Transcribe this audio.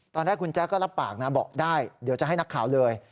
ตอนแรกคุณแจ๊คก็รับปากนะบอกได้เดี๋ยวจะให้นักข่าวเลย